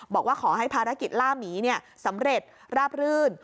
บอกว่าขอให้ภารกิจล่าหมีสำเร็จราบรื่น